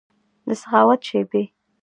دسخاوت شیبې